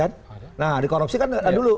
nah di korupsi kan dulu